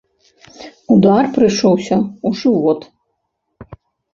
Удар прыйшоўся ў жывот.